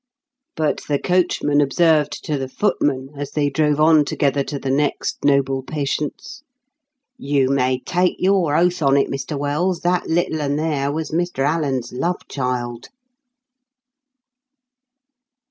But the coachman observed to the footman, as they drove on together to the next noble patient's, "You may take your oath on it, Mr Wells, that little 'un there was Mr Alan's love child!"